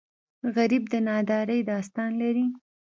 غریب د نادارۍ داستان لري